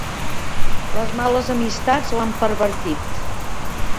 Les males amistats l'han pervertit.